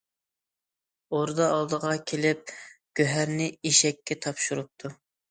ئوردا ئالدىغا كېلىپ گۆھەرنى ئېشەككە تاپشۇرۇپتۇ.